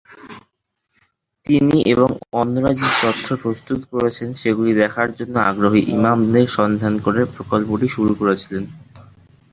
তিনি এবং অন্যরা যে তথ্য প্রস্তুত করেছেন সেগুলি দেখার জন্য আগ্রহী ইমামদের সন্ধান করে প্রকল্পটি শুরু করেছিলেন।